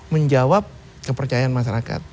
menjawab kepercayaan masyarakat